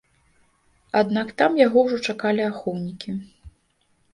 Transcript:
Аднак там яго ўжо чакалі ахоўнікі.